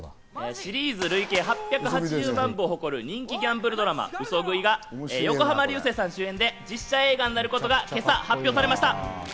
シリーズ累計８８０万部を誇る人気ギャンブル漫画『嘘喰い』が横浜流星さん主演で実写映画になることが今朝発表されました。